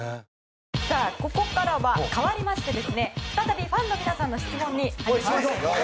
ここからは、かわりまして再びファンの皆さんの質問に。